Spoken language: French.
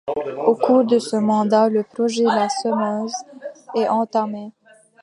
Au cours de ce mandat, le projet La Semeuse est entamé.